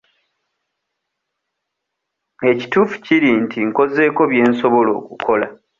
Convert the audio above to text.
Ekituufu kiri nti nkozeeko bye nsobola okukola.